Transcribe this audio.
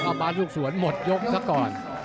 เอาบ้านลูกสวนหมดยกซะก่อน